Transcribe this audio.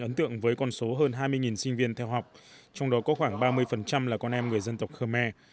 ấn tượng với con số hơn hai mươi sinh viên theo học trong đó có khoảng ba mươi là con em người dân tộc khơ me